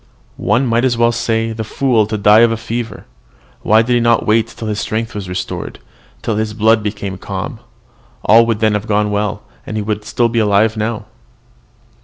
One might as well say, 'The fool, to die of a fever! why did he not wait till his strength was restored, till his blood became calm? all would then have gone well, and he would have been alive now.'"